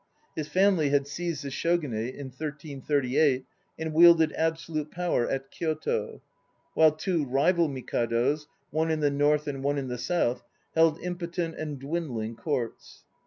His family had seized the Shogunate in 1338 and wielded absolute power at Kyoto, while two rival Mikados, one in the north and one in the south, held impotent and dwindling courts.